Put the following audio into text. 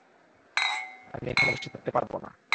আমি এখানে বসে থাকতে পারব না!